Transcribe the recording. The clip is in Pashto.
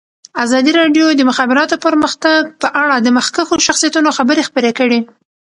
ازادي راډیو د د مخابراتو پرمختګ په اړه د مخکښو شخصیتونو خبرې خپرې کړي.